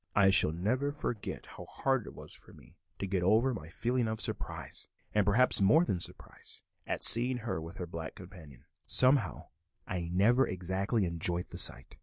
I shall never forget how hard it was for me to get over my feelings of surprise, perhaps more than surprise, at seeing her with her black companion; somehow I never exactly enjoyed the sight.